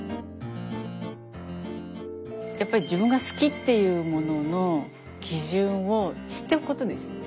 やっぱり自分が好きっていうものの基準を知っておくことですよね。